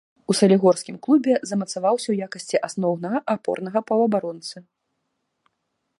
У салігорскім клубе замацаваўся ў якасці асноўнага апорнага паўабаронцы.